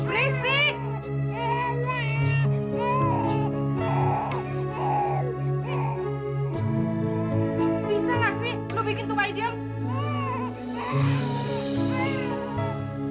bisa gak sih lo bikin tumai diam